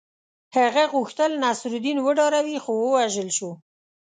هغه غوښتل نصرالدین وډاروي خو ووژل شو.